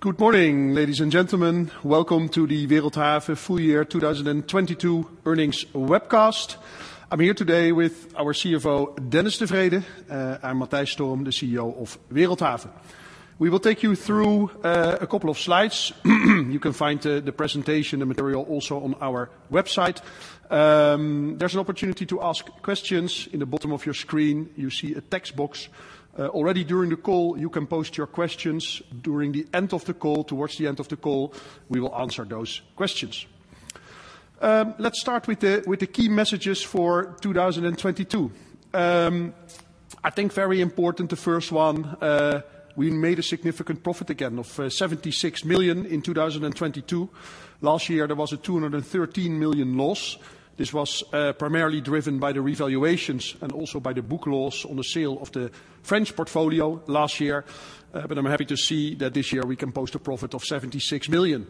Good morning, ladies and gentlemen. Welcome to the Wereldhave full year 2022 earnings webcast. I'm here today with our CFO, Dennis de Vreede, and Matthijs Storm, the CEO of Wereldhave. We will take you through a couple of slides. You can find the presentation and material also on our website. There's an opportunity to ask questions. In the bottom of your screen, you see a text box. Already during the call, you can post your questions. Towards the end of the call, we will answer those questions. Let's start with the key messages for 2022. I think very important, the first one, we made a significant profit again of 76 million in 2022. Last year, there was a 213 million loss. This was primarily driven by the revaluations and also by the book loss on the sale of the French portfolio last year. I'm happy to see that this year we can post a profit of 76 million.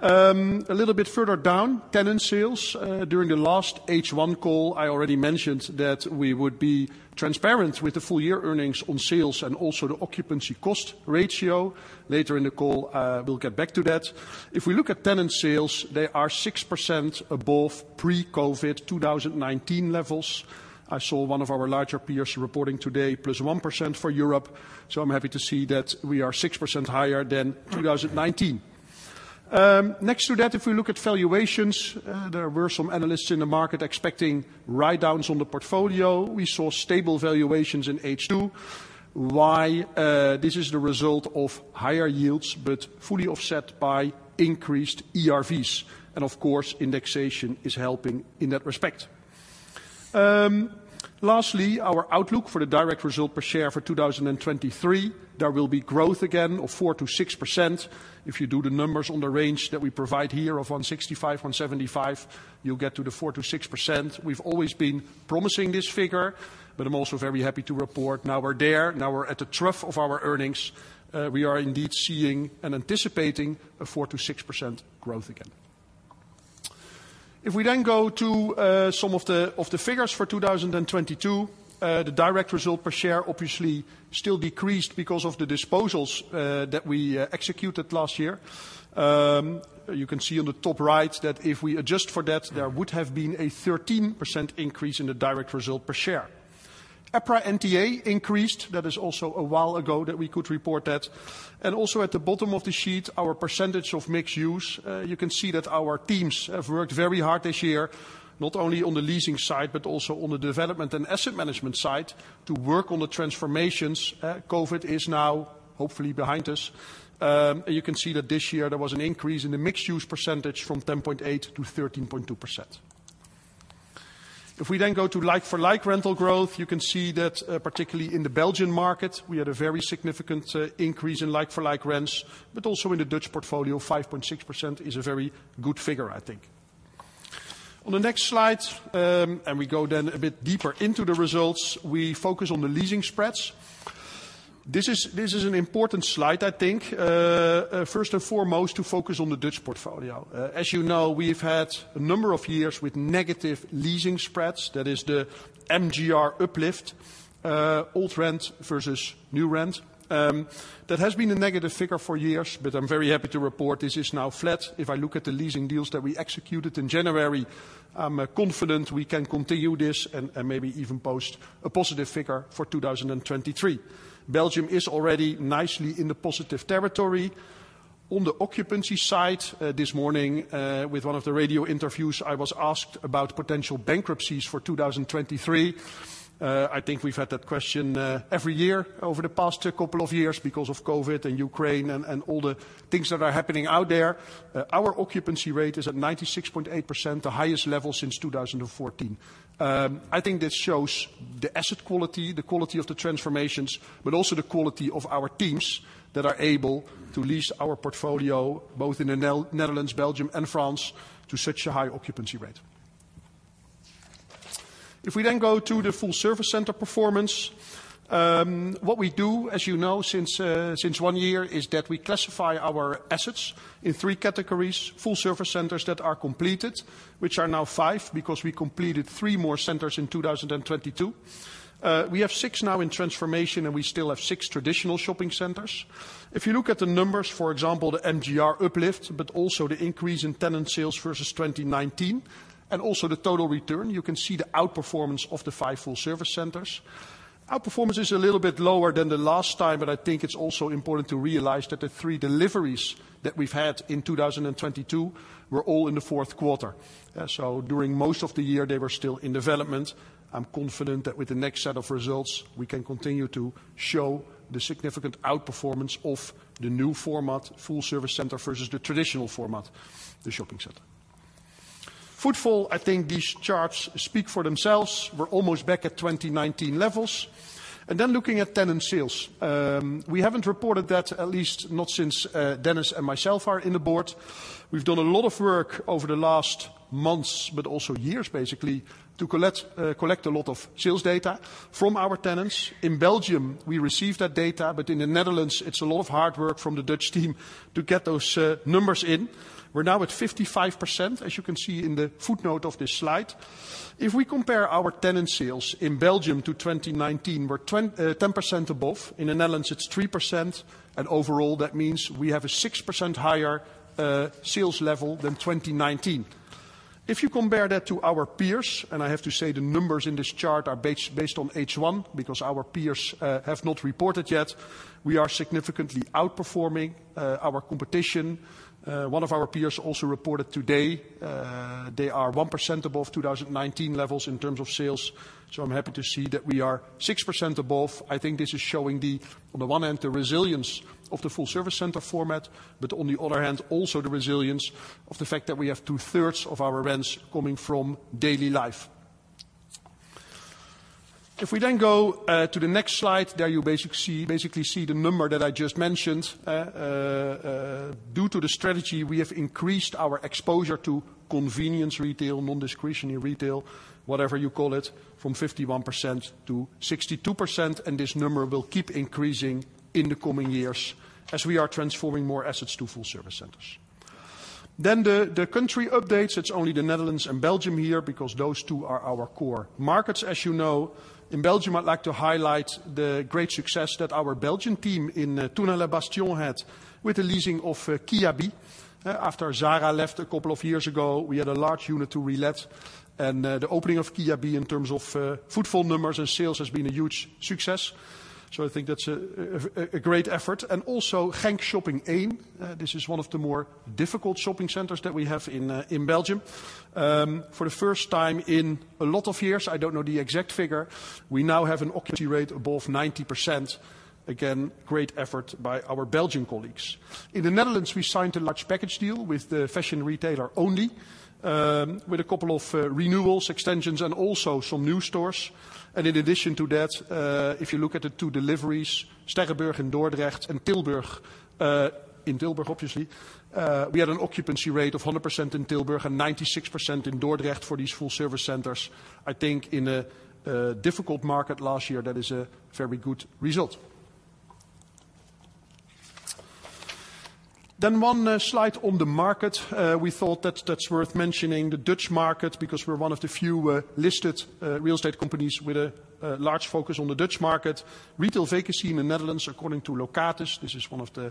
A little bit further down, tenant sales. During the last H1 call, I already mentioned that we would be transparent with the full year earnings on sales and also the occupancy cost ratio. Later in the call, we'll get back to that. If we look at tenant sales, they are 6% above pre-COVID 2019 levels. I saw one of our larger peers reporting today plus 1% for Europe. I'm happy to see that we are 6% higher than 2019. Next to that, if we look at valuations, there were some analysts in the market expecting write-downs on the portfolio. We saw stable valuations in H2. Why? This is the result of higher yields, fully offset by increased ERVs. Of course, indexation is helping in that respect. Lastly, our outlook for the direct result per share for 2023. There will be growth again of 4%-6%. If you do the numbers on the range that we provide here of 165, 175, you'll get to the 4%-6%. We've always been promising this figure. I'm also very happy to report now we're there. Now we're at the trough of our earnings. We are indeed seeing and anticipating a 4%-6% growth again. If we go to some of the figures for 2022, the direct result per share obviously still decreased because of the disposals that we executed last year. You can see on the top right that if we adjust for that, there would have been a 13% increase in the direct result per share. EPRA NTA increased. That is also a while ago that we could report that. Also at the bottom of the sheet, our percentage of mixed-use. You can see that our teams have worked very hard this year, not only on the leasing side, but also on the development and asset management side to work on the transformations. COVID is now hopefully behind us. You can see that this year there was an increase in the mixed-use percentage from 10.8%-13.2%. If we go to like-for-like rental growth, you can see that particularly in the Belgian market, we had a very significant increase in like-for-like rents, but also in the Dutch portfolio, 5.6% is a very good figure, I think. On the next slide, we go then a bit deeper into the results. We focus on the leasing spreads. This is an important slide, I think, first and foremost, to focus on the Dutch portfolio. As you know, we've had a number of years with negative leasing spreads. That is the MGR uplift, old rent versus new rent. That has been a negative figure for years, but I'm very happy to report this is now flat. If I look at the leasing deals that we executed in January, I'm confident we can continue this and maybe even post a positive figure for 2023. Belgium is already nicely in the positive territory. On the occupancy side, this morning with one of the radio interviews, I was asked about potential bankruptcies for 2023. I think we've had that question every year over the past couple of years because of COVID and Ukraine and all the things that are happening out there. Our occupancy rate is at 96.8%, the highest level since 2014. I think this shows the asset quality, the quality of the transformations, but also the quality of our teams that are able to lease our portfolio, both in the Netherlands, Belgium, and France, to such a high occupancy rate. If we then go to the Full Service Center performance, what we do, as you know, since one year, is that we classify our assets in three categories. Full Service Centers that are completed, which are now five, because we completed three more centers in 2022. We have six now in transformation, and we still have six traditional shopping centers. If you look at the numbers, for example, the MGR uplift, but also the increase in tenant sales versus 2019, and also the total return, you can see the outperformance of the five Full Service Centers. Outperformance is a little bit lower than the last time, but I think it's also important to realize that the three deliveries that we've had in 2022 were all in the fourth quarter. During most of the year, they were still in development. I'm confident that with the next set of results, we can continue to show the significant outperformance of the new format, Full Service Center versus the traditional format, the shopping center. Footfall, I think these charts speak for themselves. We're almost back at 2019 levels. Looking at tenant sales. We haven't reported that, at least not since Dennis and myself are in the board. We've done a lot of work over the last months, but also years, basically, to collect a lot of sales data from our tenants. In Belgium, we receive that data, but in the Netherlands, it's a lot of hard work from the Dutch team to get those numbers in. We're now at 55%, as you can see in the footnote of this slide. If we compare our tenant sales in Belgium to 2019, we're 10% above. In the Netherlands, it's 3%, and overall, that means we have a 6% higher sales level than 2019. If you compare that to our peers, and I have to say the numbers in this chart are based on H1 because our peers have not reported yet, we are significantly outperforming our competition. One of our peers also reported today, they are 1% above 2019 levels in terms of sales. I'm happy to see that we are 6% above. I think this is showing on the one end, the resilience of the Full Service Center format, but on the other hand, also the resilience of the fact that we have two-thirds of our rents coming from daily life. If we then go to the next slide, there you basically see the number that I just mentioned. Due to the strategy, we have increased our exposure to convenience retail, non-discretionary retail, whatever you call it, from 51% to 62%. This number will keep increasing in the coming years as we are transforming more assets to Full Service Centers. The country updates. It's only the Netherlands and Belgium here because those two are our core markets, as you know. In Belgium, I'd like to highlight the great success that our Belgian team in Thionville had with the leasing of Kiabi. After Zara left a couple of years ago, we had a large unit to relet. The opening of Kiabi in terms of footfall numbers and sales has been a huge success. I think that's a great effort. Also Shopping 1, this is one of the more difficult shopping centers that we have in Belgium. For the first time in a lot of years, I don't know the exact figure, we now have an occupancy rate above 90%. Again, great effort by our Belgian colleagues. In the Netherlands, we signed a large package deal with the fashion retailer Only, with a couple of renewals, extensions, and also some new stores. In addition to that, if you look at the two deliveries, Sterrenburg in Dordrecht and Tilburg. In Tilburg, obviously, we had an occupancy rate of 100% in Tilburg and 96% in Dordrecht for these Full Service Centers. I think in a difficult market last year, that is a very good result. One slide on the market. We thought that's worth mentioning, the Dutch market, because we're one of the few listed real estate companies with a large focus on the Dutch market. Retail vacancy in the Netherlands, according to Locatus, this is one of the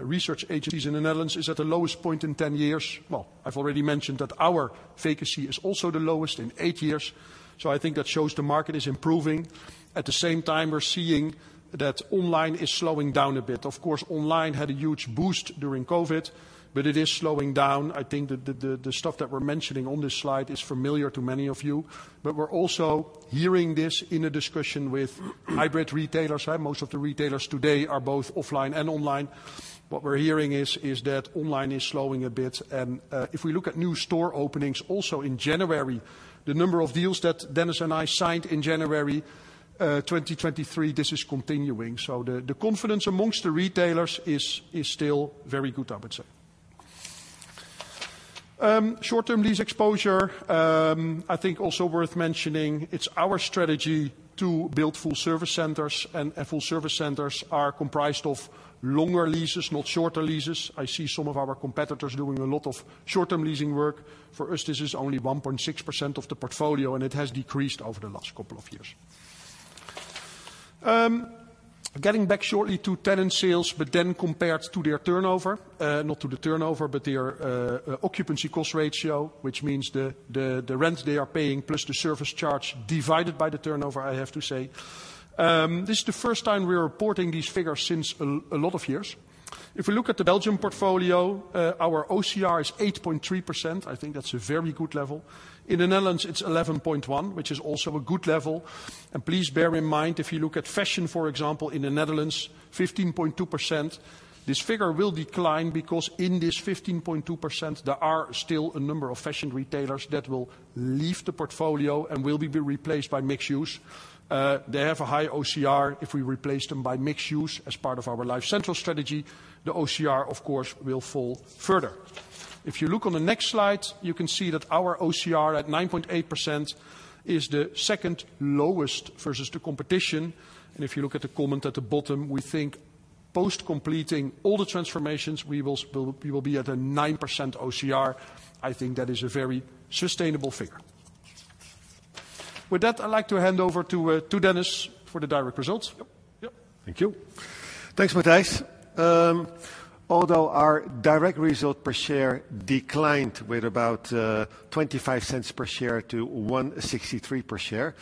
research agencies in the Netherlands, is at the lowest point in 10 years. I've already mentioned that our vacancy is also the lowest in eight years, so I think that shows the market is improving. At the same time, we're seeing that online is slowing down a bit. Of course, online had a huge boost during COVID, but it is slowing down. I think that the stuff that we're mentioning on this slide is familiar to many of you. We're also hearing this in a discussion with hybrid retailers. Most of the retailers today are both offline and online. What we're hearing is that online is slowing a bit. If we look at new store openings also in January, the number of deals that Dennis and I signed in January 2023, this is continuing. The confidence amongst the retailers is still very good, I would say. Short-term lease exposure, I think also worth mentioning. It's our strategy to build Full Service Centers, and Full Service Centers are comprised of longer leases, not shorter leases. I see some of our competitors doing a lot of short-term leasing work. For us, this is only 1.6% of the portfolio, and it has decreased over the last couple of years. Getting back shortly to tenant sales, compared to their turnover. Not to the turnover, but their occupancy cost ratio, which means the rent they are paying plus the service charge divided by the turnover, I have to say. This is the first time we're reporting these figures since a lot of years. If we look at the Belgium portfolio, our OCR is 8.3%. I think that's a very good level. In the Netherlands, it's 11.1%, which is also a good level. Please bear in mind, if you look at fashion, for example, in the Netherlands, 15.2%. This figure will decline because in this 15.2%, there are still a number of fashion retailers that will leave the portfolio and will be replaced by mixed-use. They have a high OCR. If we replace them by mixed-use as part of our LifeCentral strategy, the OCR, of course, will fall further. If you look on the next slide, you can see that our OCR at 9.8% is the second lowest versus the competition. If you look at the comment at the bottom, we think post completing all the transformations, we will be at a 9% OCR. I think that is a very sustainable figure. With that, I'd like to hand over to Dennis for the direct results. Yep. Yep. Thank you. Thanks, Matthijs. Although our direct result per share declined with about 0.25 per share to 1.63 per share,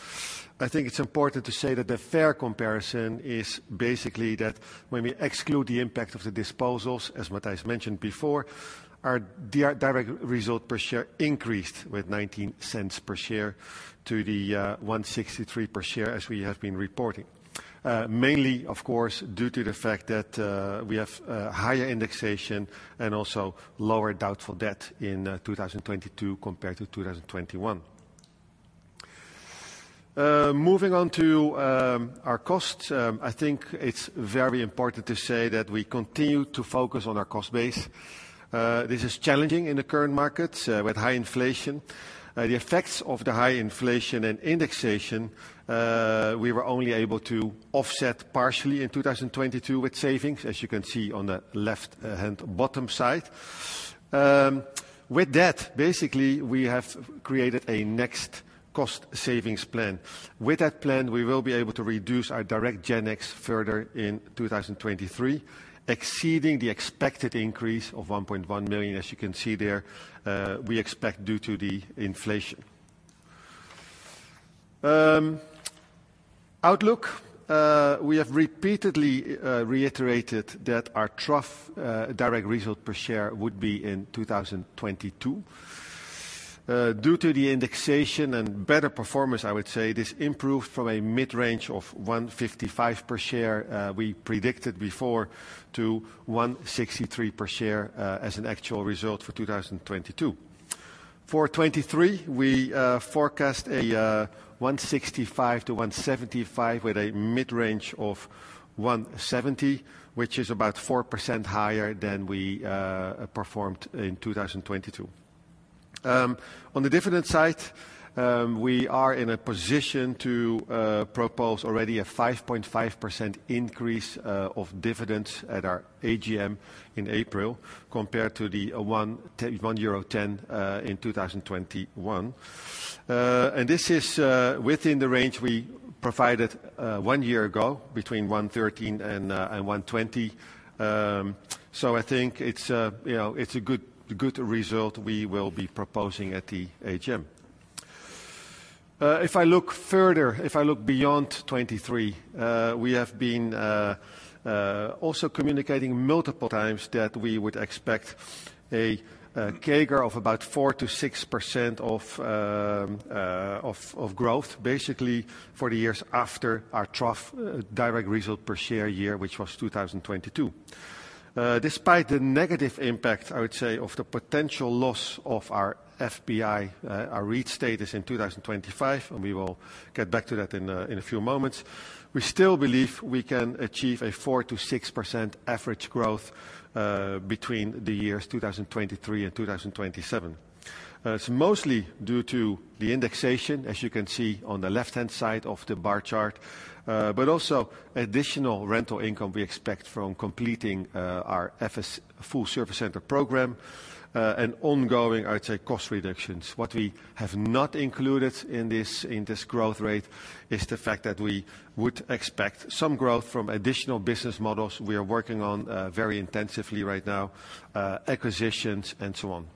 I think it's important to say that the fair comparison is basically that when we exclude the impact of the disposals, as Matthijs mentioned before, our direct result per share increased with 0.19 per share to the 1.63 per share as we have been reporting. Mainly, of course, due to the fact that we have higher indexation and also lower doubtful debt in 2022 compared to 2021. Moving on to our costs. I think it's very important to say that we continue to focus on our cost base. This is challenging in the current markets with high inflation. The effects of the high inflation and indexation, we were only able to offset partially in 2022 with savings, as you can see on the left-hand bottom side. With that, we have created a next cost savings plan. With that plan, we will be able to reduce our direct G&A further in 2023, exceeding the expected increase of 1.1 million, as you can see there, we expect due to the inflation. Outlook, we have repeatedly reiterated that our trough direct result per share would be in 2022. Due to the indexation and better performance, I would say, this improved from a mid-range of 1.55 per share we predicted before to 1.63 per share, as an actual result for 2022. For 2023, we forecast a 1.65-1.75 with a mid-range of 1.70, which is about 4% higher than we performed in 2022. On the dividend side, we are in a position to propose already a 5.5% increase of dividends at our AGM in April compared to the 1.10 euro in 2021. This is within the range we provided one year ago, between 1.13 and 1.20. I think it is a good result we will be proposing at the AGM. If I look further, if I look beyond 2023, we have been also communicating multiple times that we would expect a CAGR of about 4%-6% of growth, basically for the years after our trough direct result per share year, which was 2022. Despite the negative impact, I would say, of the potential loss of our FII, our REIT status in 2025, and we will get back to that in a few moments, we still believe we can achieve a 4%-6% average growth between the years 2023 and 2027. It is mostly due to the indexation, as you can see on the left-hand side of the bar chart, but also additional rental income we expect from completing our FS, Full Service Center program, and ongoing, I would say, cost reductions. What we have not included in this growth rate is the fact that we would expect some growth from additional business models we are working on very intensively right now, acquisitions and so on.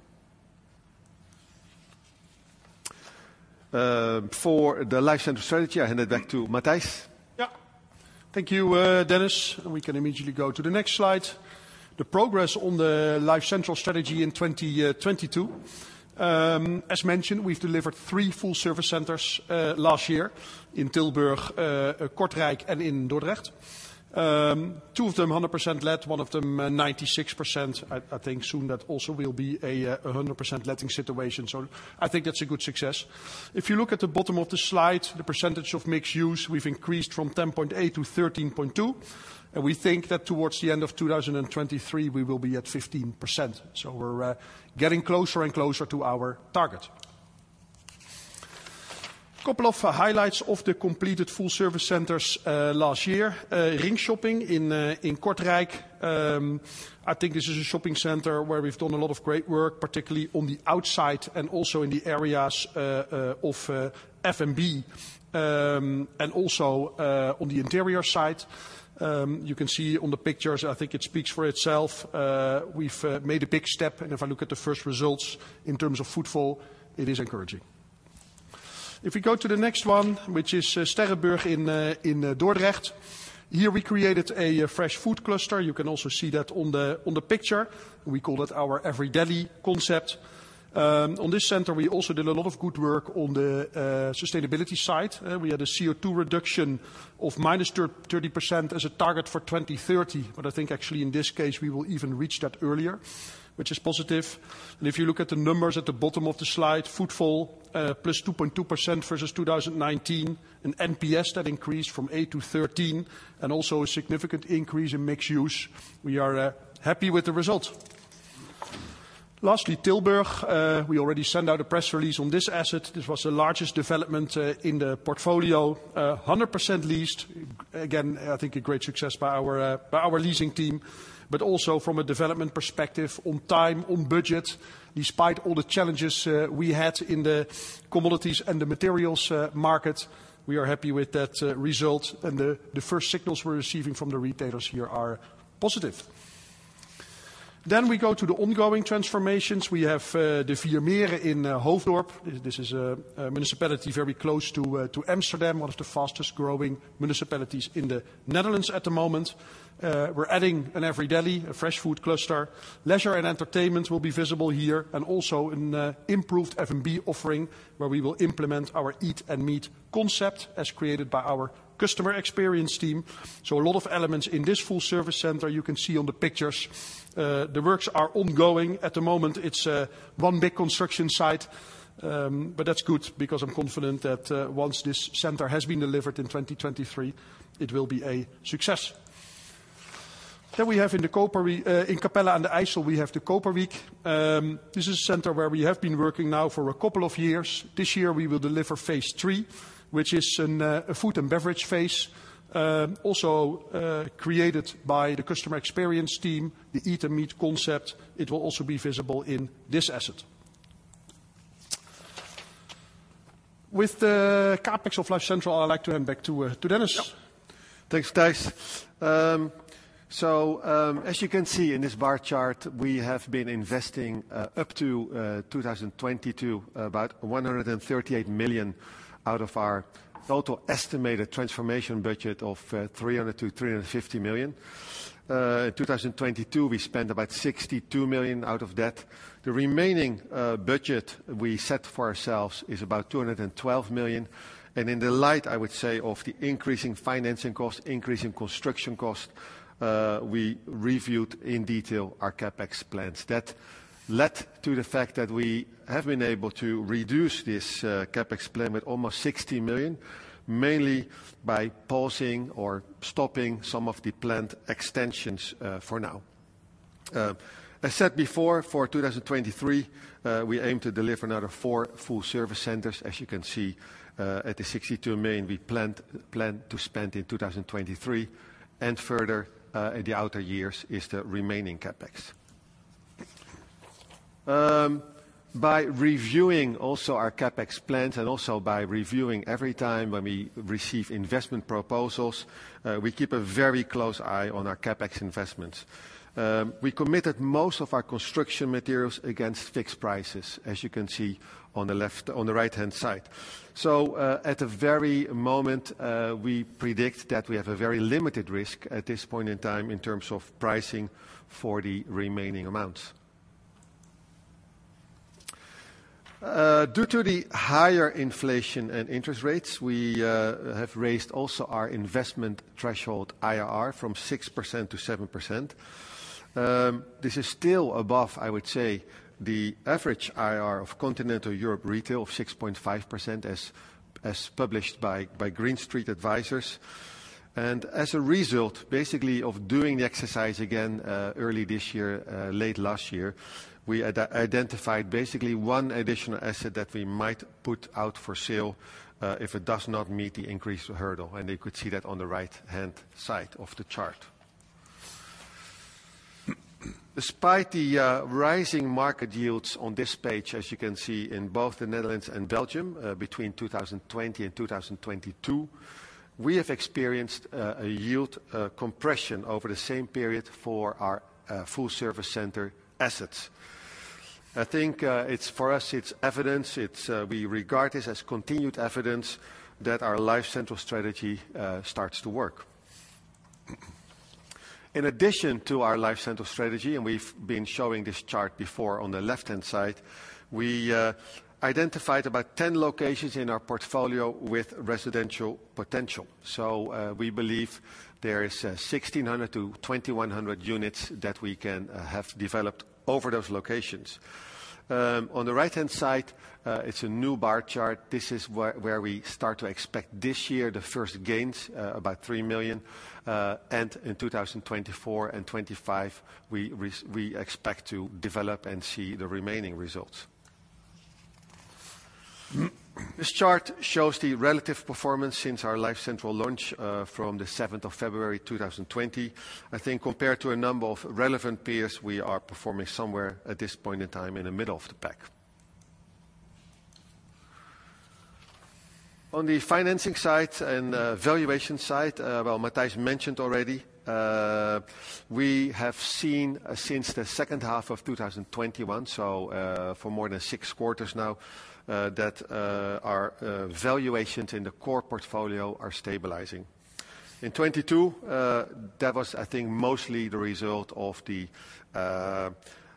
For the LifeCentral strategy, I hand it back to Matthijs. Thank you, Dennis. We can immediately go to the next slide. The progress on the LifeCentral strategy in 2022. As mentioned, we have delivered three Full Service Centers last year in Tilburg, Kortrijk, and in Dordrecht. Two of them 100% let, one of them 96%. I think soon that also will be a 100% letting situation. I think that is a good success. If you look at the bottom of the slide, the percentage of mixed-use, we have increased from 10.8%-13.2%, and we think that towards the end of 2023, we will be at 15%. We are getting closer and closer to our target. A couple of highlights of the completed Full Service Centers last year. Ring Shopping Kortrijk. I think this is a shopping center where we have done a lot of great work, particularly on the outside and also in the areas of F&B. Also, on the interior side, you can see on the pictures, I think it speaks for itself. We have made a big step, and if I look at the first results in terms of footfall, it is encouraging. If we go to the next one, which is Sterrenburg in Dordrecht. Here we created a fresh food cluster. You can also see that on the picture. We call it our Every.Deli concept. On this center, we also did a lot of good work on the sustainability side. We had a CO2 reduction of -30% as a target for 2030. I think actually in this case, we will even reach that earlier, which is positive. If you look at the numbers at the bottom of the slide, footfall, +2.2% versus 2019. An NPS that increased from eight to 13, and also a significant increase in mixed-use. We are happy with the result. Lastly, Tilburg. We already sent out a press release on this asset. This was the largest development in the portfolio, 100% leased. I think a great success by our leasing team, but also from a development perspective on time, on budget. Despite all the challenges we had in the commodities and the materials market, we are happy with that result and the first signals we are receiving from the retailers here are positive. We go to the ongoing transformations. We have Vier Meren in Hoofddorp. This is a municipality very close to Amsterdam, one of the fastest growing municipalities in the Netherlands at the moment. We are adding an Every.Deli, a fresh food cluster. Leisure and entertainment will be visible here, and also an improved F&B offering where we will implement our eat and meet concept as created by our customer experience team. A lot of elements in this Full Service Center, you can see on the pictures. The works are ongoing. At the moment, it is one big construction site. That is good because I am confident that once this center has been delivered in 2023, it will be a success. In Capelle aan den IJssel, we have De Koperwiek. This is a center where we have been working now for a couple of years. This year, we will deliver phase three, which is a food and beverage phase. Also created by the customer experience team, the eat and meet concept. It will also be visible in this asset. With the CapEx of LifeCentral, I would like to hand back to Dennis. Thanks, Thijs. As you can see in this bar chart, we have been investing up to 2022, about 138 million out of our total estimated transformation budget of 300 million to 350 million. In 2022, we spent about 62 million out of that. The remaining budget we set for ourselves is about 212 million. In the light, I would say, of the increasing financing cost, increasing construction cost, we reviewed in detail our CapEx plans. That led to the fact that we have been able to reduce this CapEx plan with almost 60 million, mainly by pausing or stopping some of the planned extensions for now. I said before, for 2023, we aim to deliver another four Full Service Centers. As you can see, at the 62 million we plan to spend in 2023 and further, at the outer years is the remaining CapEx. By reviewing also our CapEx plans and also by reviewing every time when we receive investment proposals, we keep a very close eye on our CapEx investments. We committed most of our construction materials against fixed prices, as you can see on the right-hand side. At the very moment, we predict that we have a very limited risk at this point in time in terms of pricing for the remaining amounts. Due to the higher inflation and interest rates, we have raised also our investment threshold IRR from 6%-7%. This is still above, I would say, the average IRR of continental Europe retail of 6.5% as published by Green Street Advisors. As a result, basically of doing the exercise again, early this year, late last year, we identified basically one additional asset that we might put out for sale, if it does not meet the increased hurdle, and you could see that on the right-hand side of the chart. Despite the rising market yields on this page, as you can see in both the Netherlands and Belgium, between 2020-2022, we have experienced a yield compression over the same period for our Full Service Center assets. I think, for us, we regard this as continued evidence that our LifeCentral strategy starts to work. In addition to our LifeCentral strategy, and we've been showing this chart before on the left-hand side, we identified about 10 locations in our portfolio with residential potential. We believe there is 1,600-2,100 units that we can have developed over those locations. On the right-hand side, it's a new bar chart. This is where we start to expect this year the first gains of about 3 million, and in 2024 and 2025, we expect to develop and see the remaining results. This chart shows the relative performance since our LifeCentral launch, from the 7th of February 2020. I think compared to a number of relevant peers, we are performing somewhere at this point in time in the middle of the pack. On the financing side and the valuation side, well, Matthijs mentioned already, we have seen since the second half of 2021, so for more than six quarters now, that our valuations in the core portfolio are stabilizing. In 2022, that was, I think, mostly the result of the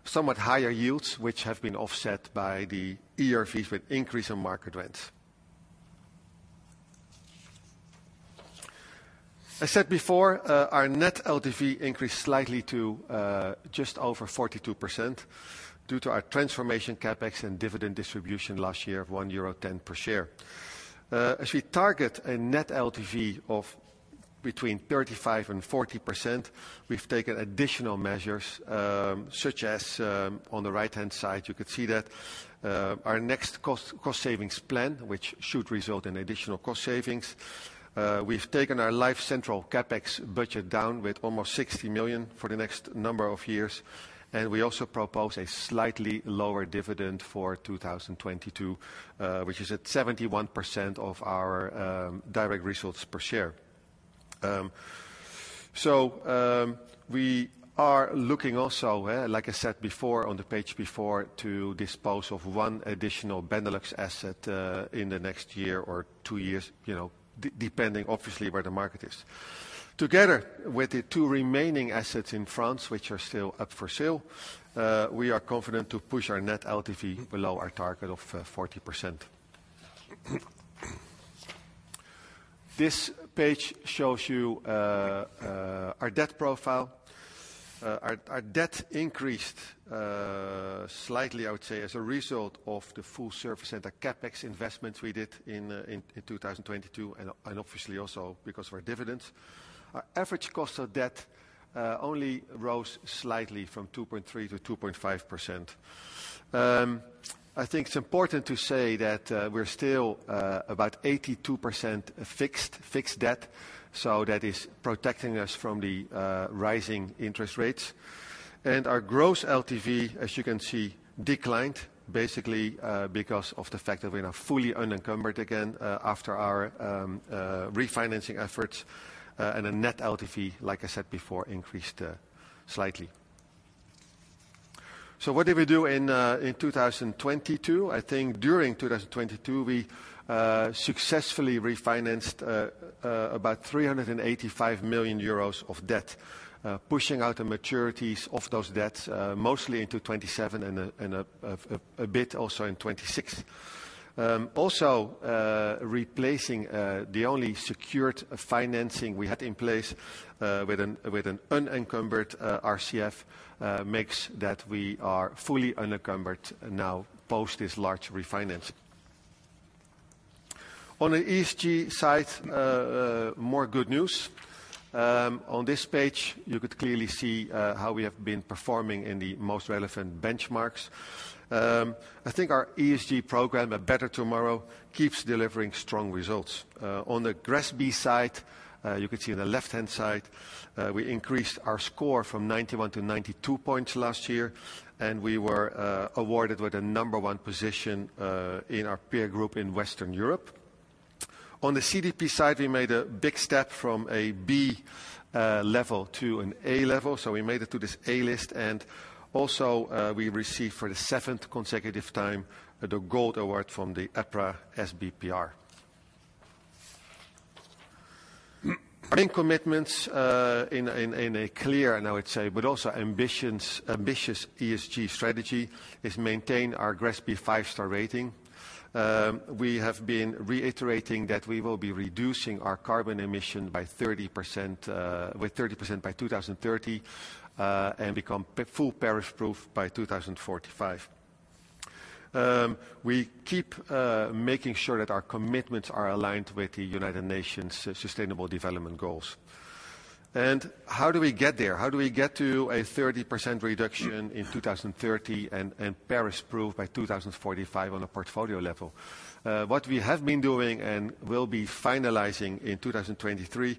somewhat higher yields, which have been offset by the ERVs with increase in market rents. I said before, our net LTV increased slightly to just over 42% due to our transformation CapEx and dividend distribution last year of 1.10 euro per share. As we target a net LTV of between 35%-40%, we've taken additional measures, such as on the right-hand side, you could see that, our next cost savings plan, which should result in additional cost savings. We've taken our LifeCentral CapEx budget down with almost 60 million for the next number of years, and we also propose a slightly lower dividend for 2022, which is at 71% of our direct result per share. We are looking also, like I said before, on the page before, to dispose of one additional Benelux asset in the next year or two years, depending obviously where the market is. Together with the two remaining assets in France, which are still up for sale, we are confident to push our net LTV below our target of 40%. This page shows you our debt profile. Our debt increased slightly, I would say, as a result of the Full Service Center CapEx investments we did in 2022 and obviously also because of our dividends. Our average cost of debt only rose slightly from 2.3% to 2.5%. I think it's important to say that we're still about 82% fixed debt, so that is protecting us from the rising interest rates. Our gross LTV, as you can see, declined basically because of the fact that we are now fully unencumbered again after our refinancing efforts, and the net LTV, like I said before, increased slightly. What did we do in 2022? I think during 2022, we successfully refinanced about 385 million euros of debt, pushing out the maturities of those debts mostly into 2027 and a bit also in 2026. Also replacing the only secured financing we had in place with an unencumbered RCF makes that we are fully unencumbered now post this large refinance. On the ESG side, more good news. On this page, you could clearly see how we have been performing in the most relevant benchmarks. I think our ESG program, A Better Tomorrow, keeps delivering strong results. On the GRESB side, you could see on the left-hand side, we increased our score from 91 to 92 points last year, and we were awarded with a number 1 position in our peer group in Western Europe. On the CDP side, we made a big step from a B level to an A level, so we made it to this A list, and also we received for the seventh consecutive time the Gold award from the EPRA sBPR. Main commitments in a clear, I would say, but also ambitious ESG strategy, is maintain our GRESB five-star rating. We have been reiterating that we will be reducing our carbon emission with 30% by 2030, and become full Paris Proof by 2045. We keep making sure that our commitments are aligned with the United Nations' Sustainable Development Goals. How do we get there? How do we get to a 30% reduction in 2030 and Paris Proof by 2045 on a portfolio level? What we have been doing and will be finalizing in 2023 is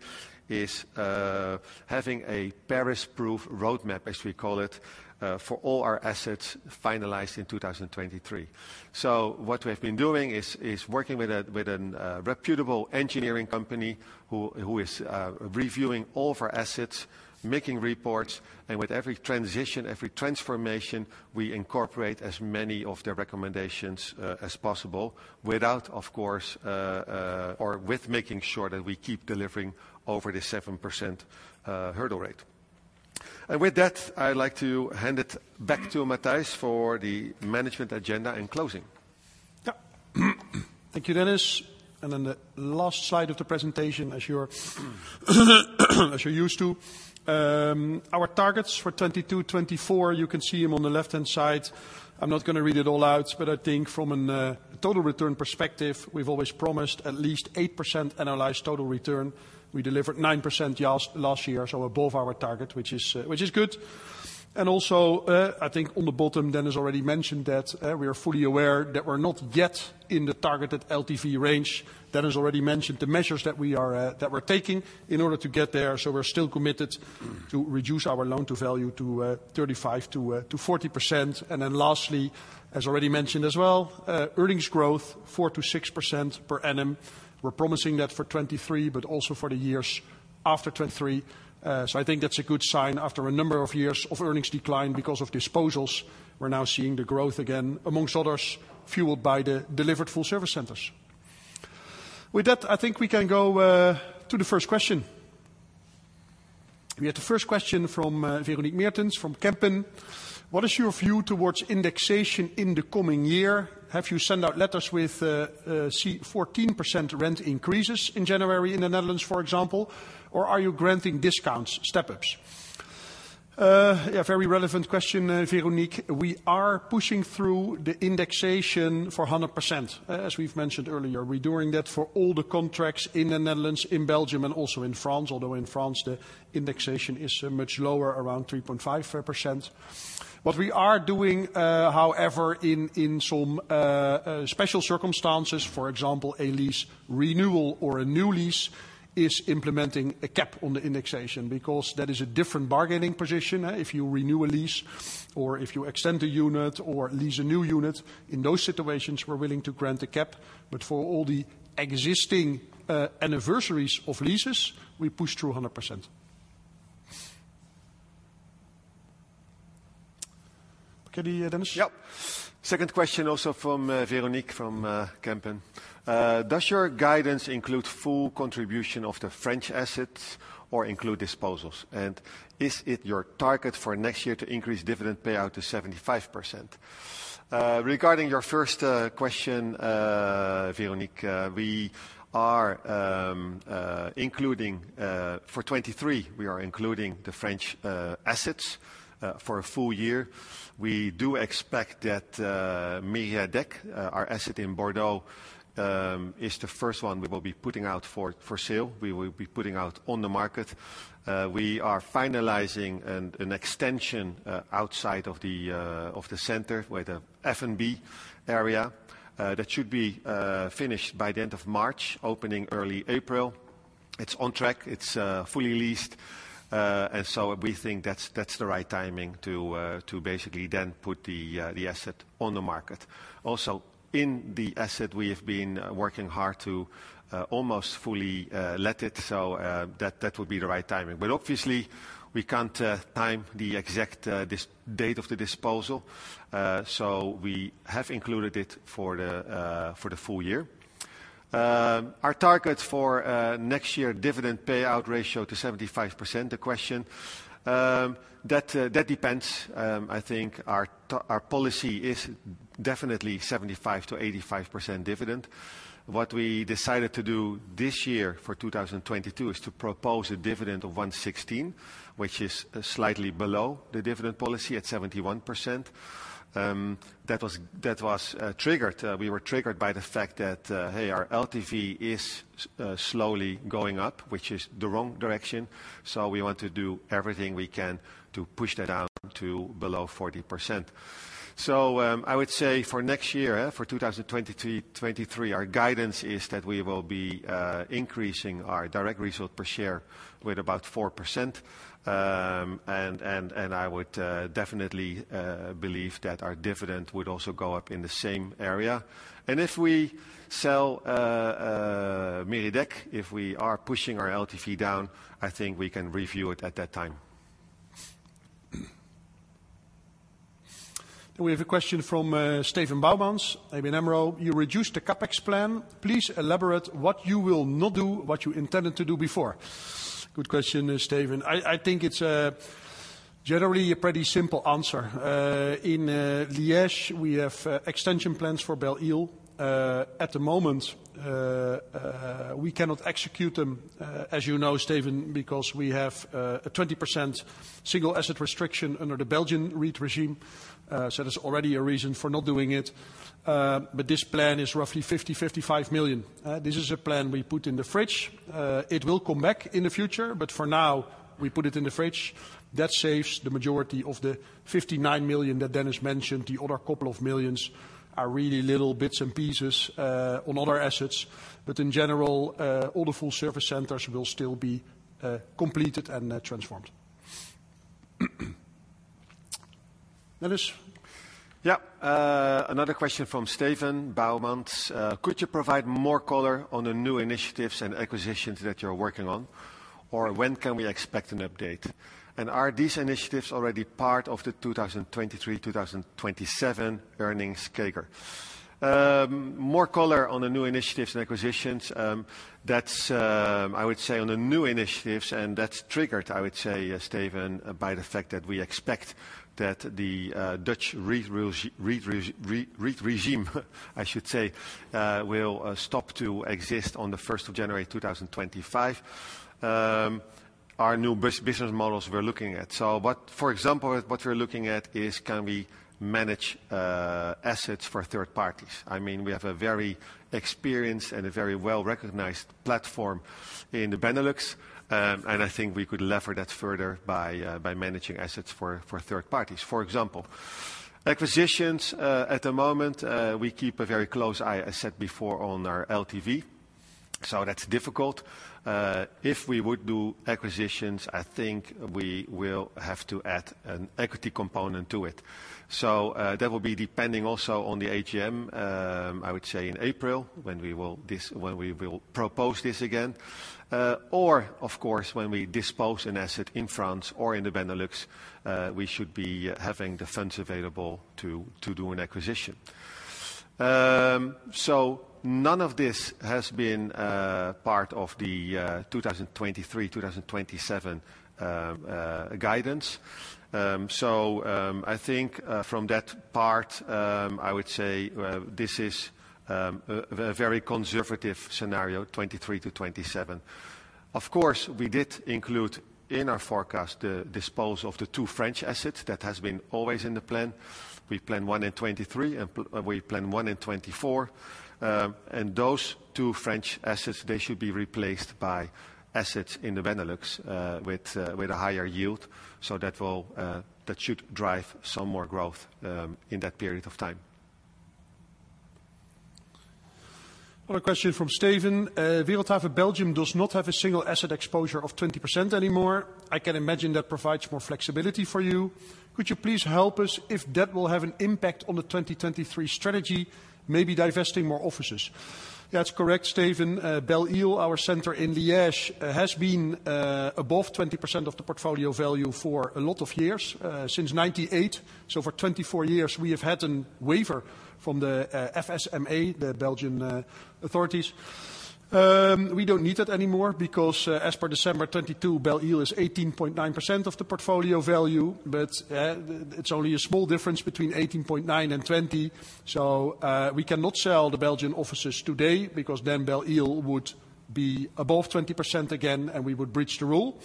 having a Paris Proof roadmap, as we call it, for all our assets finalized in 2023. What we have been doing is working with a reputable engineering company who is reviewing all of our assets, making reports, and with every transition, every transformation, we incorporate as many of their recommendations as possible with making sure that we keep delivering over the 7% hurdle rate. With that, I'd like to hand it back to Matthijs for the management agenda and closing. Thank you, Dennis. Then the last slide of the presentation, as you are used to. Our targets for 2022, 2024, you can see them on the left-hand side. I am not going to read it all out, but I think from a total return perspective, we have always promised at least 8% analyzed total return. We delivered 9% last year, so above our target, which is good. I think on the bottom, Dennis already mentioned that we are fully aware that we are not yet in the targeted LTV range. Dennis already mentioned the measures that we are taking in order to get there. We are still committed to reduce our loan to value to 35%-40%. Lastly, as already mentioned as well, earnings growth 4%-6% per annum. We are promising that for 2023, but also for the years after 2023. I think that is a good sign after a number of years of earnings decline because of disposals. We are now seeing the growth again, amongst others, fueled by the delivered Full Service Centers. With that, I think we can go to the first question. We had the first question from Veronique Mertens from Kempen. "What is your view towards indexation in the coming year? Have you sent out letters with 14% rent increases in January in the Netherlands, for example, or are you granting discounts, step-ups?" A very relevant question, Veronique. We are pushing through the indexation for 100%. As we have mentioned earlier, we are doing that for all the contracts in the Netherlands, in Belgium, and also in France. Although in France, the indexation is much lower, around 3.5%. What we are doing, however, in some special circumstances, for example, a lease renewal or a new lease, is implementing a cap on the indexation because that is a different bargaining position. If you renew a lease or if you extend a unit or lease a new unit, in those situations, we are willing to grant a cap, but for all the existing anniversaries of leases, we push through 100%. Okay, Dennis? Second question also from Veronique from Kempen. "Does your guidance include full contribution of the French assets or include disposals? And is it your target for next year to increase dividend payout to 75%?" Regarding your first question, Veronique, for 2023, we are including the French assets for a full year. We do expect that Mériadeck, our asset in Bordeaux, is the first one we will be putting out for sale. We will be putting out on the market. We are finalizing an extension outside of the center with a F&B area that should be finished by the end of March, opening early April. It is on track, it is fully leased. We think that is the right timing to basically then put the asset on the market. Also, in the asset, we have been working hard to almost fully let it, so that would be the right timing. Obviously, we cannot time the exact date of the disposal. We have included it for the full year. Our target for next year dividend payout ratio to 75%. The question. That depends. I think our policy is definitely 75%-85% dividend. What we decided to do this year for 2022 is to propose a dividend of 1.16, which is slightly below the dividend policy at 71%. That was triggered. We were triggered by the fact that, hey, our LTV is slowly going up, which is the wrong direction. We want to do everything we can to push that down to below 40%. I would say for next year, for 2023, our guidance is that we will be increasing our direct result per share with about 4%. I would definitely believe that our dividend would also go up in the same area. If we sell Mériadeck, if we are pushing our LTV down, I think we can review it at that time. We have a question from Steven Bouwmans, ABN AMRO. You reduced the CapEx plan. Please elaborate what you will not do, what you intended to do before. Good question, Steven. I think it is generally a pretty simple answer. In Liège, we have extension plans for Belle-Île. At the moment, we cannot execute them, as you know, Steven, because we have a 20% single asset restriction under the Belgian REIT regime. There is already a reason for not doing it. This plan is roughly 50 million-55 million. This is a plan we put in the fridge. It will come back in the future, but for now, we put it in the fridge. That saves the majority of the 59 million that Dennis mentioned. The other couple of millions are really little bits and pieces on other assets. In general, all the Full Service Centers will still be completed and transformed. Dennis? Yeah. Another question from Steven Bouwmans. Could you provide more color on the new initiatives and acquisitions that you're working on? When can we expect an update? Are these initiatives already part of the 2023, 2027 earnings CAGR? More color on the new initiatives and acquisitions. I would say on the new initiatives, that's triggered, I would say, Steven, by the fact that we expect that the Dutch REIT regime, I should say, will stop to exist on the 1st of January 2025. Our new business models we're looking at. For example, what we're looking at is can we manage assets for third parties. We have a very experienced and a very well-recognized platform in the Benelux, and I think we could lever that further by managing assets for third parties, for example. Acquisitions, at the moment, we keep a very close eye, as said before, on our LTV, that's difficult. If we would do acquisitions, I think we will have to add an equity component to it. That will be depending also on the AGM, I would say in April, when we will propose this again. Of course, when we dispose an asset in France or in the Benelux, we should be having the funds available to do an acquisition. None of this has been part of the 2023, 2027 guidance. I think from that part, I would say, this is a very conservative scenario, 2023-2027. Of course, we did include in our forecast the dispose of the two French assets that has been always in the plan. We plan one in 2023, and we plan one in 2024. Those two French assets, they should be replaced by assets in the Benelux with a higher yield. That should drive some more growth in that period of time. Another question from Steven. Wereldhave Belgium does not have a single asset exposure of 20% anymore. I can imagine that provides more flexibility for you. Could you please help us if that will have an impact on the 2023 strategy, maybe divesting more offices? That's correct, Steven. Belle-Île, our center in Liège, has been above 20% of the portfolio value for a lot of years, since 1998. For 24 years, we have had a waiver from the FSMA, the Belgian authorities. We don't need that anymore because as per December 2022, Belle-Île is 18.9% of the portfolio value, but it's only a small difference between 18.9% and 20%. We cannot sell the Belgian offices today because then Belle-Île would be above 20% again, and we would breach the rule.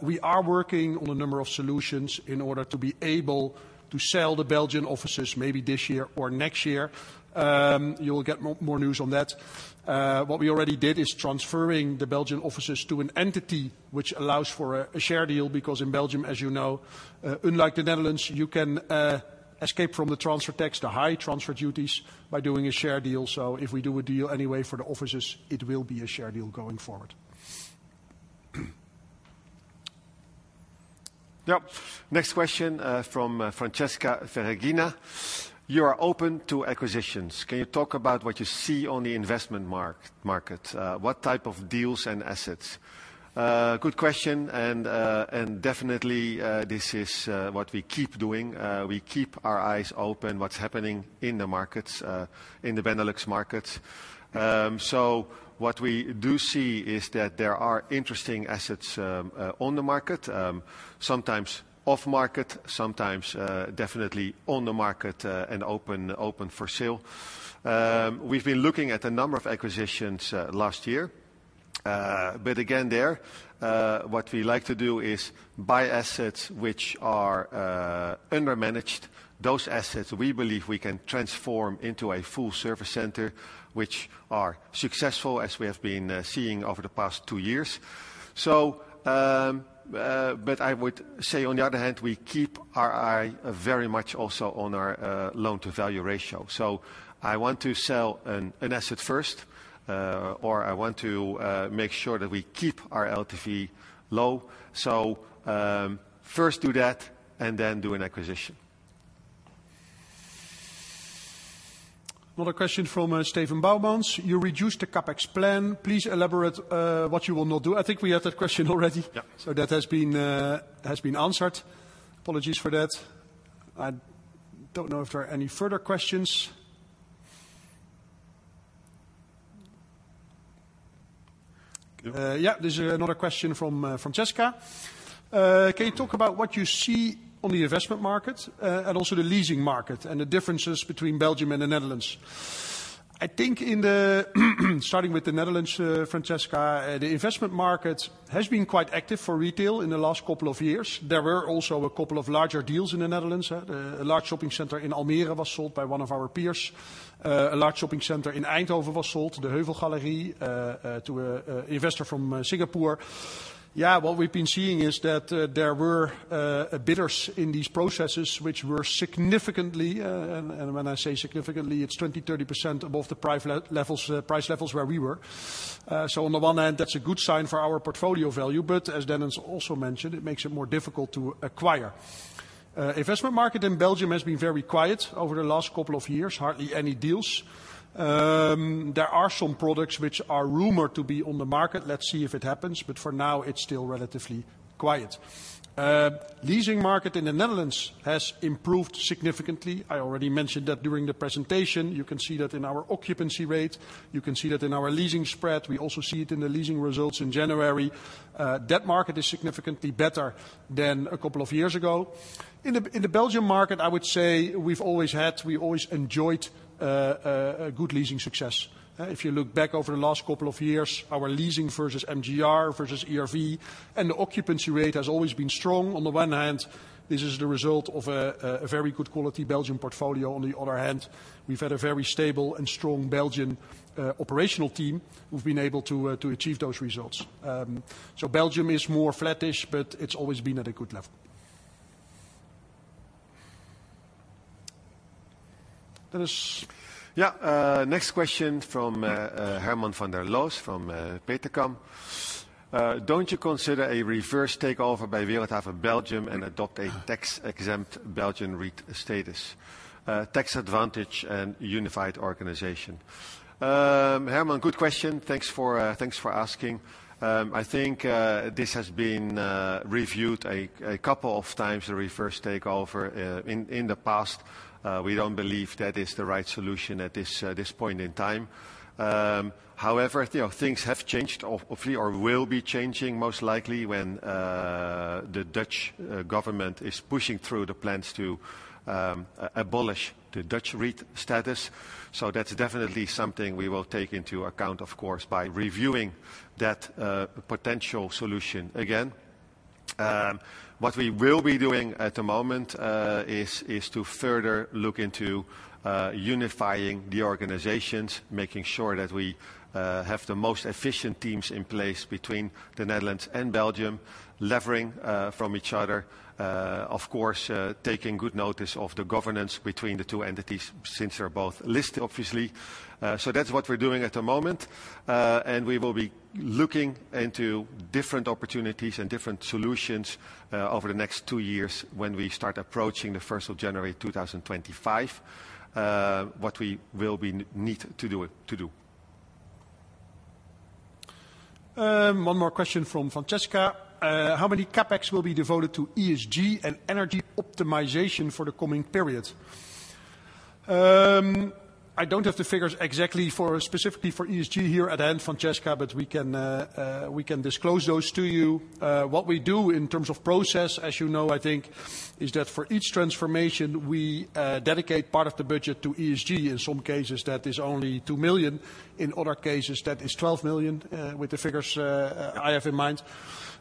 We are working on a number of solutions in order to be able to sell the Belgian offices maybe this year or next year. You will get more news on that. What we already did is transferring the Belgian offices to an entity which allows for a share deal because in Belgium, as you know, unlike the Netherlands, you can escape from the transfer tax, the high transfer duties, by doing a share deal. If we do a deal anyway for the offices, it will be a share deal going forward. Yeah. Next question from Francesca Ferragina. You are open to acquisitions. Can you talk about what you see on the investment market? What type of deals and assets? Good question. Definitely, this is what we keep doing. We keep our eyes open, what's happening in the markets, in the Benelux markets. What we do see is that there are interesting assets on the market, sometimes off-market, sometimes definitely on the market and open for sale. We've been looking at a number of acquisitions last year. Again, there, what we like to do is buy assets which are under-managed. Those assets we believe we can transform into a Full Service Center, which are successful, as we have been seeing over the past two years. I would say on the other hand, we keep our eye very much also on our loan-to-value ratio. I want to sell an asset first, or I want to make sure that we keep our LTV low. First do that, and then do an acquisition. Another question from Steven Bouwmans. You reduced the CapEx plan. Please elaborate what you will not do. I think we had that question already. Yeah. That has been answered. Apologies for that. I don't know if there are any further questions. There's another question from Francesca. Can you talk about what you see on the investment market, and also the leasing market, and the differences between Belgium and the Netherlands? I think starting with the Netherlands, Francesca, the investment market has been quite active for retail in the last couple of years. There were also a couple of larger deals in the Netherlands. A large shopping center in Almere was sold by one of our peers. A large shopping center in Eindhoven was sold, the Heuvelgalerie, to an investor from Singapore. What we've been seeing is that there were bidders in these processes which were significantly, and when I say significantly, it's 20%-30% above the price levels where we were. On the one hand, that's a good sign for our portfolio value, but as Dennis also mentioned, it makes it more difficult to acquire. Investment market in Belgium has been very quiet over the last couple of years. Hardly any deals. There are some products which are rumored to be on the market. Let's see if it happens, but for now, it's still relatively quiet. Leasing market in the Netherlands has improved significantly. I already mentioned that during the presentation. You can see that in our occupancy rate. You can see that in our leasing spread. We also see it in the leasing results in January. That market is significantly better than a couple of years ago. In the Belgium market, I would say we always enjoyed good leasing success. If you look back over the last couple of years, our leasing versus MGR versus ERV, and the occupancy rate has always been strong. On the one hand, this is the result of a very good quality Belgian portfolio. On the other hand, we've had a very stable and strong Belgian operational team who've been able to achieve those results. Belgium is more flattish, but it's always been at a good level. Dennis. Yeah. Next question from Herman van der Loos from Petercam. Don't you consider a reverse takeover by Wereldhave Belgium and adopt a tax-exempt Belgian REIT status, tax advantage and unified organization? Herman, good question. Thanks for asking. I think this has been reviewed a couple of times, the reverse takeover, in the past. We don't believe that is the right solution at this point in time. However, things have changed or will be changing most likely when the Dutch government is pushing through the plans to abolish the Dutch REIT status. That's definitely something we will take into account, of course, by reviewing that potential solution again. What we will be doing at the moment is to further look into unifying the organizations, making sure that we have the most efficient teams in place between the Netherlands and Belgium, levering from each other. Of course, taking good notice of the governance between the two entities, since they're both listed, obviously. That's what we're doing at the moment. We will be looking into different opportunities and different solutions over the next two years when we start approaching the 1st of January 2025, what we will need to do. One more question from Francesca. How many CapEx will be devoted to ESG and energy optimization for the coming period? I don't have the figures exactly specifically for ESG here at hand, Francesca, but we can disclose those to you. What we do in terms of process, as you know, I think, is that for each transformation, we dedicate part of the budget to ESG. In some cases, that is only 2 million. In other cases, that is 12 million, with the figures I have in mind.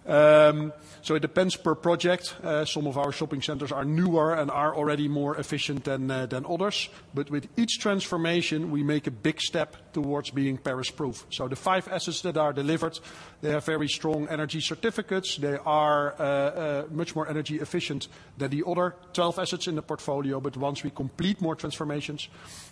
It depends per project. Some of our shopping centers are newer and are already more efficient than others. With each transformation, we make a big step towards being Paris Proof. The five assets that are delivered, they have very strong energy certificates. They are much more energy efficient than the other 12 assets in the portfolio. Once we complete more transformations,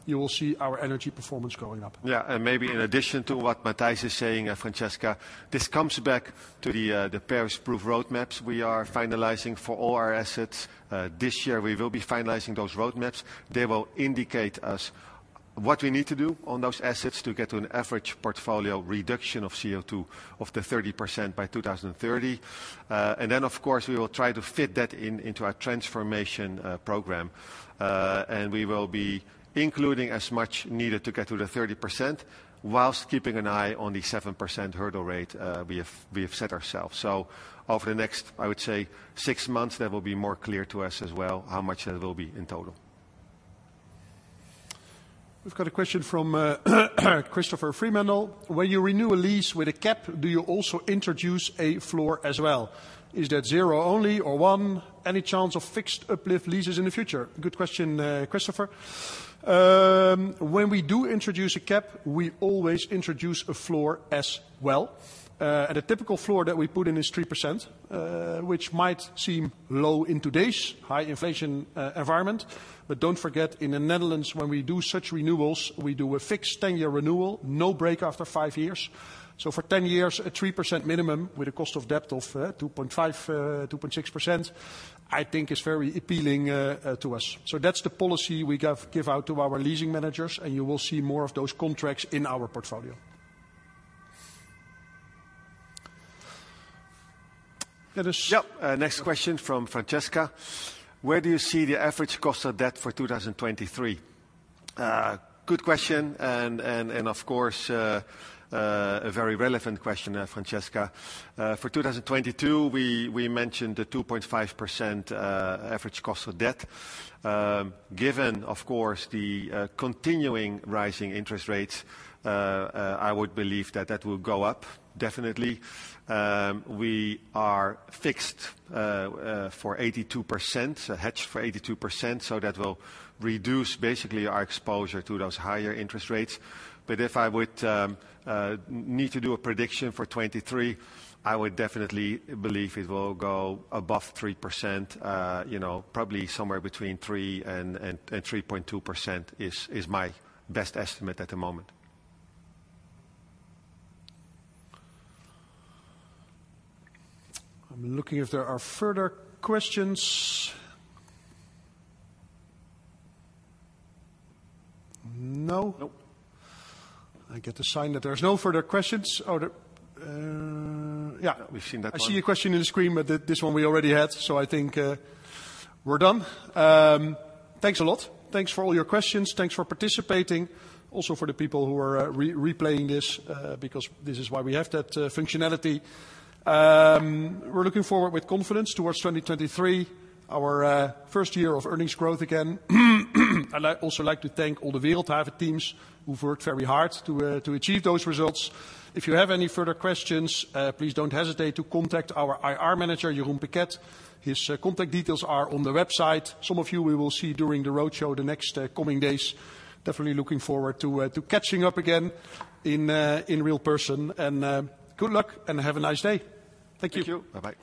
you will see our energy performance going up. Maybe in addition to what Matthijs is saying, Francesca, this comes back to the Paris Proof roadmaps we are finalizing for all our assets. This year, we will be finalizing those roadmaps. They will indicate us what we need to do on those assets to get to an average portfolio reduction of CO2 of the 30% by 2030. Of course, we will try to fit that into our transformation program. We will be including as much needed to get to the 30%, whilst keeping an eye on the 7% hurdle rate we have set ourselves. Over the next, I would say six months, that will be more clear to us as well how much that will be in total. We've got a question from Christopher Fremantle. When you renew a lease with a cap, do you also introduce a floor as well? Is that 0 only or one? Any chance of fixed uplift leases in the future? Good question, Christopher. When we do introduce a cap, we always introduce a floor as well. A typical floor that we put in is 3%, which might seem low in today's high inflation environment. Don't forget, in the Netherlands, when we do such renewals, we do a fixed 10-year renewal, no break after five years. For 10 years, a 3% minimum with a cost of debt of 2.5%, 2.6%, I think is very appealing to us. That's the policy we give out to our leasing managers, and you will see more of those contracts in our portfolio. Jeroen. Yep. Next question from Francesca. Where do you see the average cost of debt for 2023? Good question and of course, a very relevant question there, Francesca. For 2022, we mentioned the 2.5% average cost of debt. Given, of course, the continuing rising interest rates, I would believe that that will go up definitely. We are fixed for 82%, a hedge for 82%, that will reduce basically our exposure to those higher interest rates. If I would need to do a prediction for 2023, I would definitely believe it will go above 3%, probably somewhere between 3%-3.2% is my best estimate at the moment. I'm looking if there are further questions. No. Nope. I get the sign that there's no further questions. We've seen that one. I see a question in the screen, but this one we already had, so I think we're done. Thanks a lot. Thanks for all your questions. Thanks for participating. Also for the people who are replaying this because this is why we have that functionality. We're looking forward with confidence towards 2023, our first year of earnings growth again. I'd also like to thank all the Wereldhave teams who've worked very hard to achieve those results. If you have any further questions, please don't hesitate to contact our IR manager, Jeroen Piket. His contact details are on the website. Some of you we will see during the roadshow the next coming days. Definitely looking forward to catching up again in real person. Good luck, and have a nice day. Thank you. Thank you. Bye-bye.